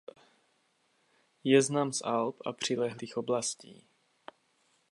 Je znám z Alp a přilehlých oblastí.